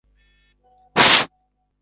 Hii ngoma nzuri sana